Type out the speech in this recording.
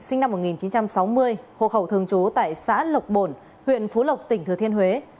sinh năm một nghìn chín trăm sáu mươi hộ khẩu thường trú tại xã lộc bồn huyện phú lộc tỉnh thừa thiên huế